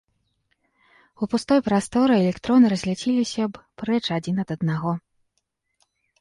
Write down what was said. У пустой прасторы, электроны разляцеліся б прэч адзін ад аднаго.